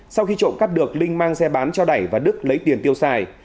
sau khi trộm cắt được linh mang xe bán cho đẩy và đức lấy tiền tiêu xài